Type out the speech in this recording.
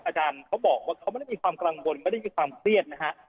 อาจารย์เขาบอกว่าเขาไม่ได้มีความกังวลไม่ได้มีความเครียดนะฮะ